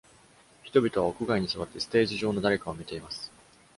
人々は屋外に座ってステージ上の誰かを見ています。